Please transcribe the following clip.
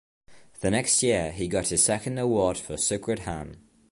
The next year he got his second award for "Sukrutham".